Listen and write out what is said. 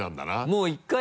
もう１回。